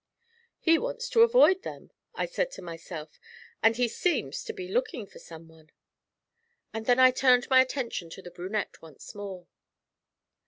'He wants to avoid them,' I said to myself, 'and he seems to be looking for someone.' And then I turned my attention to the brunette once more.